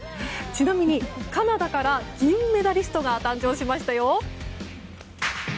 ちなみにカナダから銀メダリストが誕生しましたよ。